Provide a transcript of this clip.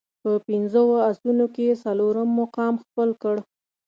په پنځو اسونو کې یې څلورم مقام خپل کړ.